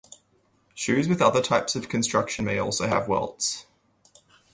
Shoes with other types of construction may also have welts.